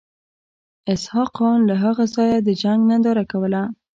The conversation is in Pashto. اسحق خان له هغه ځایه د جنګ ننداره کوله.